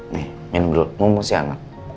nih minum dulu mau mau siang